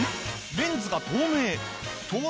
レンズが透明。